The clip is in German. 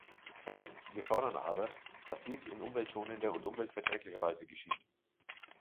Zweitens, wir fordern aber, dass dies in umweltschonender und umweltverträglicher Weise geschieht.